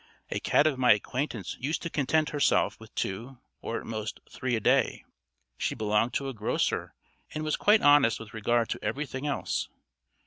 A cat of my acquaintance used to content herself with two, or at most, three a day. She belonged to a grocer, and was quite honest with regard to everything else.